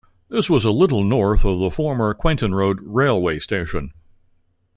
This was a little north of the former Quainton Road railway station.